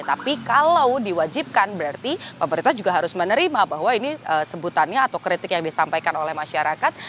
tapi kalau diwajibkan berarti pemerintah juga harus menerima bahwa ini sebutannya atau kritik yang disampaikan oleh masyarakat